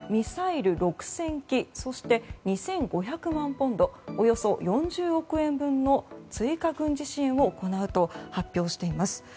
そして、イギリスもミサイル６０００基そして２５００万ポンドおよそ４０億円分の追加軍事支援を行うと発表しています。